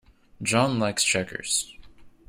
John likes checkers.